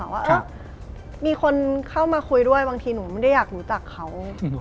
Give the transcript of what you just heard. ว่ามีคนเข้ามาคุยด้วยบางทีหนูไม่ได้อยากรู้จักเขา